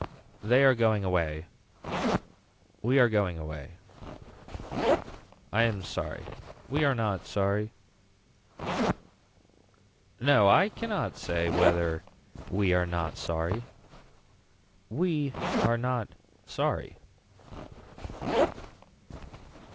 They are going away. We are going away. I am sorry. We are not sorry. No I cannot say whether we are not sorry. We are not sorry.